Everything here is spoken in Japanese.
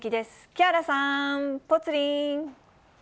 木原さん、ぽつリン。